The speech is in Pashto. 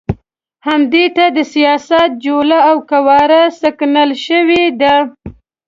همدې ته د سیاست جوله او قواره سکڼل شوې ده.